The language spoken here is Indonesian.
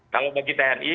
kalau bagi tni